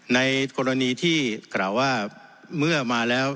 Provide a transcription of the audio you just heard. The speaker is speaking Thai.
ในกรณีที่กล่าวว่าเมื่อมาแล้ว